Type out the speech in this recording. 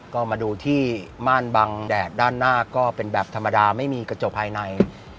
ก็มาดูที่ม่านบังแดดด้านหน้าก็เป็นแบบธรรมดาไม่มีกระจกภายใน